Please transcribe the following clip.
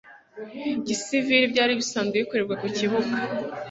Gisivili byari bisanzwe bikorerwa ku kibuga